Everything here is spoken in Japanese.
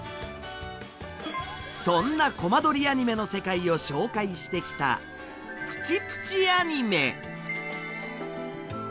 そんなコマ撮りアニメの世界を紹介してきた「プチプチ・アニメ」。